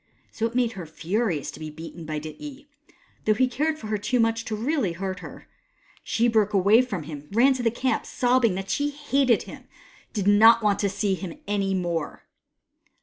So it made her furious to be beaten by Dityi, though he cared for her too much really to hurt her, and she broke away from him and ran to the camp, sobbing that she hated him and did not want to see him any more.